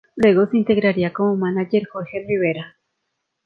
Luego se integraría como manager Jorge Rivera.